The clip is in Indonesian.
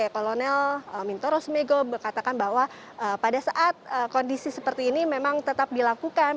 kolonel mintoro smego mengatakan bahwa pada saat kondisi seperti ini memang tetap dilakukan